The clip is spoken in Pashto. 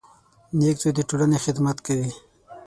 • نېک زوی د ټولنې خدمت کوي.